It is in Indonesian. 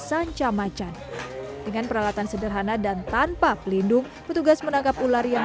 sanca macan dengan peralatan sederhana dan tanpa pelindung petugas menangkap ular yang